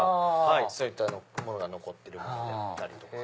そういったものが残ってるものであったりとか。